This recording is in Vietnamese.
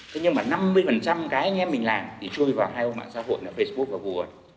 thế nhưng mà năm mươi cái anh em mình làm thì trôi vào hai ông mạng xã hội facebook và vua